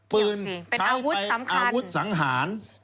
เป็นอาวุธสำคัญ